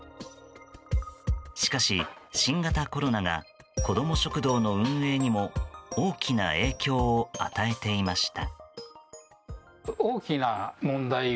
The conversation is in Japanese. しかし、新型コロナが子ども食堂の運営にも大きな影響を与えていました。